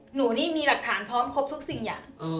หนูนี่มีหลักฐานพร้อมครบทุกสิ่งอย่าง